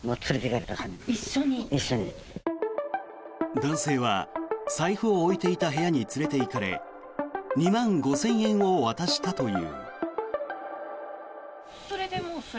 男性は財布を置いていた部屋に連れていかれ２万５０００円を渡したという。